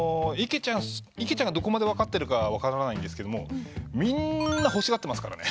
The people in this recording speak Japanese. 池ちゃんがどこまで分かってるか分からないんですけどみんな欲しがってますからね。